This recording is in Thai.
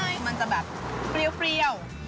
คือมันจะแบบเปรี้ยว